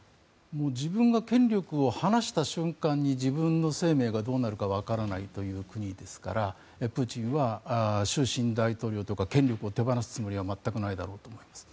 自分が権力を離した瞬間に自分の生命がどうなるかわからないという国ですからプーチンは終身大統領とか権力を手放すつもりは全くないだろうと思います。